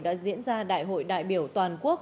đã diễn ra đại hội đại biểu toàn quốc